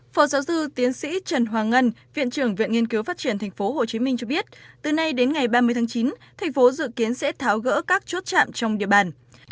phó giáo sư tiến sĩ trần hoàng ngân viện trưởng viện nghiên cứu phát triển tp hcm cho biết từ nay đến ngày ba mươi tháng chín thành phố dự kiến sẽ tháo gỡ các chốt chạm trong địa bàn